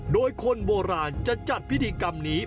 โดยคนโบราณจะจัดพิธีกรรมนี้